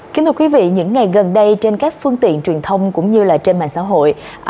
kính thưa quý vị những ngày gần đây trên các phương tiện truyền thông cũng như là trên mạng xã hội